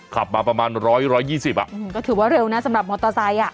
ขับมาประมาณร้อยร้อยยี่สิบอ่ะอืมก็ถือว่าเร็วนะสำหรับมอเตอร์ไซค์อ่ะ